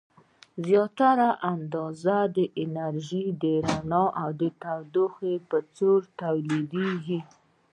زیاتره اندازه انرژي د رڼا او تودوخې په څیر تولیدیږي.